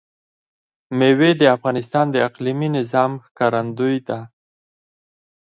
مېوې د افغانستان د اقلیمي نظام ښکارندوی ده.